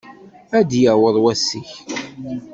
Ad d-yaweḍ wass-ik.